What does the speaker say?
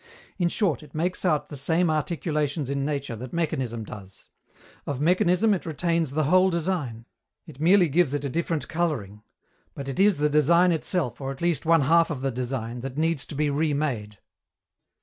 In short, it makes out the same articulations in nature that mechanism does. Of mechanism it retains the whole design; it merely gives it a different coloring. But it is the design itself, or at least one half of the design, that needs to be re made.